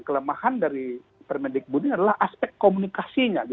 kelemahan dari permendikbud ini adalah aspek komunikasinya